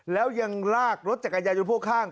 แล้วยังลากรถจักรยายนพ่วงข้าง